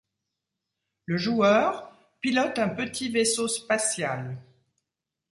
Le joueur pilote un petit vaisseau spatial.